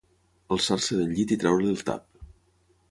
Alçar-se del llit i treure-li el tap.